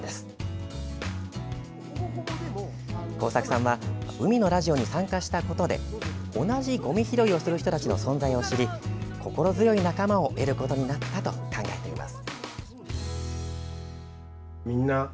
さんは「海のラジオ」に参加したことで同じごみ拾いをする人たちの存在を知り心強い仲間を得ることになったと考えています。